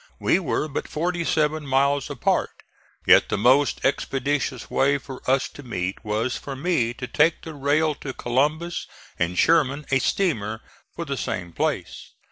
We were but forty seven miles apart, yet the most expeditious way for us to meet was for me to take the rail to Columbus and Sherman a steamer for the same place.